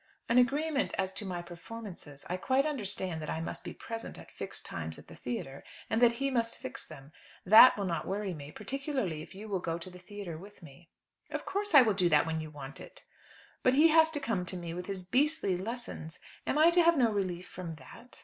"An agreement as to my performances. I quite understand that I must be present at fixed times at the theatre, and that he must fix them. That will not worry me; particularly if you will go to the theatre with me." "Of course I will do that when you want it." "But he is to come to me with his beastly lessons. Am I to have no relief from that?"